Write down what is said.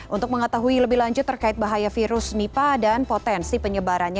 untuk mengetahui lebih lanjut terkait bahaya virus nipa dan potensi penyebarannya